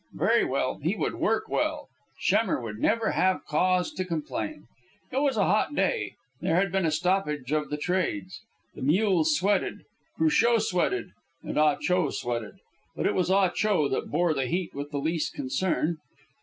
Very well, he would work well. Schemmer would never have cause to complain. It was a hot day. There had been a stoppage of the trades. The mules sweated, Cruchot sweated, and Ah Cho sweated. But it was Ah Cho that bore the heat with the least concern.